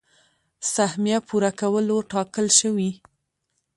سهميه پوره کولو ټاکل شوي.